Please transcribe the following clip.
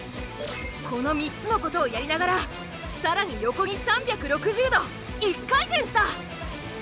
この３つのことをやりながら更に横に３６０度１回転した！